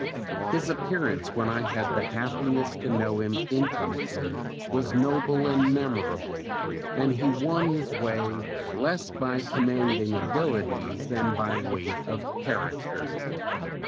His appearance when I had the happiness to know him intimately was noble and memorable, and he won his way less by commanding abilities than by weight of character.